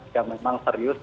jika memang serius